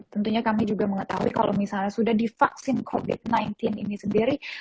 tentunya kami juga mengetahui kalau misalnya sudah divaksin covid sembilan belas ini sendiri